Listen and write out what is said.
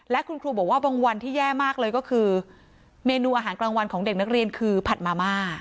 และคุณครูบอกว่าบางวันที่แย่มากเลยก็คือเมนูอาหารกลางวันของเด็กนักเรียนคือผัดมาม่า